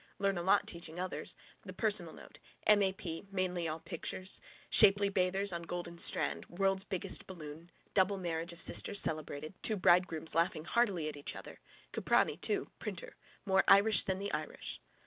Learn a lot teaching others. The personal note. M. A. P. Mainly all pictures. Shapely bathers on golden strand. World's biggest balloon. Double marriage of sisters celebrated. Two bridegrooms laughing heartily at each other. Cuprani too, printer. More Irish than the Irish.